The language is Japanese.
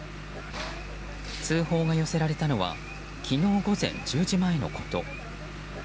通報が寄せられたのは昨日午前１０時前のこと。